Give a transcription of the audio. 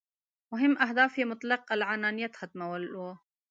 مهم اهداف یې مطلق العنانیت ختمول وو.